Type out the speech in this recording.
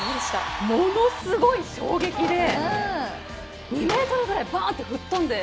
ものすごい衝撃で２ｍぐらい吹っ飛んで。